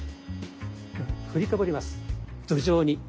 振りかぶります頭上に。